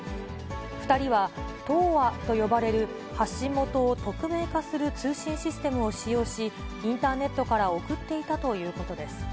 ２人は、Ｔｏｒと呼ばれる発信元を匿名化する通信システムを使用し、インターネットから送っていたということです。